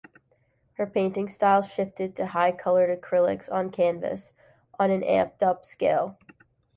Her painting style shifted to high-colored acrylics on canvas, on an amped-up scale.